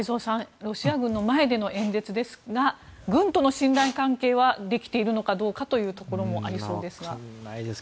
ロシア軍の前での演説ですが軍との信頼関係はできているのかというところもありそうですが。